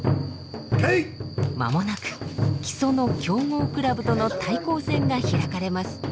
間もなく木曽の強豪クラブとの対抗戦が開かれます。